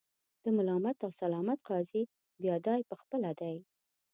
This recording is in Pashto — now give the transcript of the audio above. د ملامت او سلامت قاضي بیا دای په خپله دی.